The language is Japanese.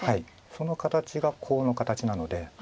その形がコウの形なので。